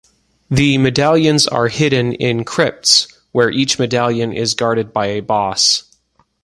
The medallions are hidden in crypts, where each medallion is guarded by a boss.